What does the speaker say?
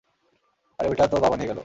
আরে ঐটা তো বাবা নিয়ে গেল!